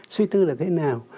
suy tư là thế nào